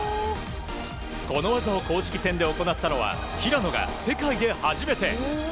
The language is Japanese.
この技を公式戦で行ったのは平野が世界で初めて。